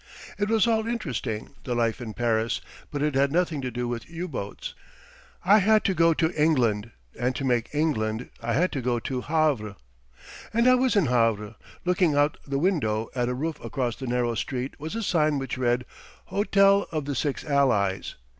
It was all interesting the life in Paris but it had nothing to do with U boats. I had to go to England, and to make England, I had to go to Havre. And I was in Havre. Looking out the window at a roof across the narrow street was a sign which read Hotel of the Six Allies.